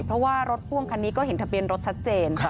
เพราะว่ารถพ่วงคันนี้ก็เห็นทะเบียนรถชัดเจน